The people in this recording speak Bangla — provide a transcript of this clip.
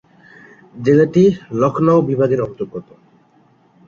জেলাটি লখনউ বিভাগের অন্তর্গত।